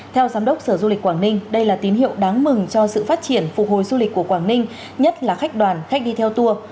theo giám đốc sở du lịch quảng ninh đây là tín hiệu đáng mừng cho sự phát triển phục hồi du lịch của quảng ninh nhất là khách đoàn khách đi theo tour